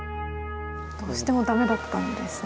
どうしても駄目だったんですね。